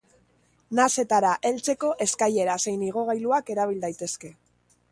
Nasetara heltzeko eskailera zein igogailuak erabil daitezke.